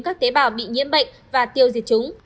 các tế bào bị nhiễm bệnh và tiêu diệt chúng